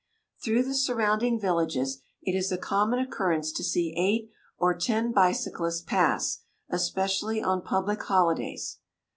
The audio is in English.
Through the surrounding villages it is a common occurrence to see eight or ten bicyclists pass, especially on public holidays.